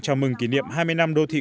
chào mừng kỷ niệm hai mươi năm đô thị